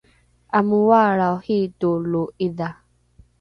amooalrao hiito lo’idha